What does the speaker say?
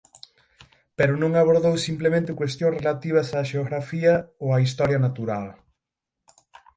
Pero non abordou simplemente cuestións relativas á xeografía ou á historia natural.